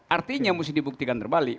artinya mesti dibuktikan terbalik